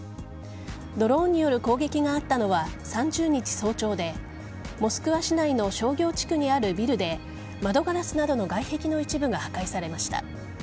ドローンによる攻撃があったのは３０日早朝でモスクワ市内の商業地区にあるビルで窓ガラスなどの外壁の一部が破壊されました。